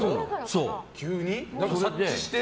察知して？